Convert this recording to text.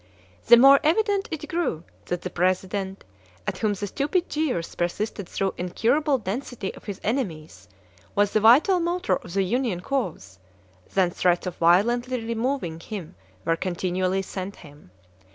The more evident it grew that the President, at whom the stupid jeers persisted through incurable density of his enemies, was the vital motor of the Union cause, than threats of violently removing him were continually sent him.